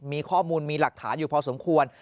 มีข้อมูลมีหลักฐานอยู่พอสมควร